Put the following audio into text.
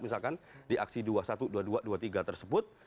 misalkan di aksi dua puluh satu dua ribu dua puluh tiga tersebut